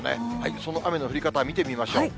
その雨の降り方、見てみましょう。